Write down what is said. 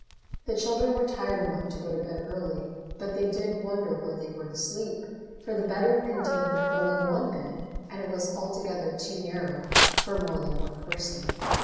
The children were tired enough to go to bed early, but they did wonder where they were to sleep, for the bedroom contained only one bed, and it was altogether too narrow for more than one person.